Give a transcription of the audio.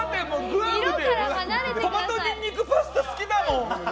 トマトニンニクパスタ好きだもん。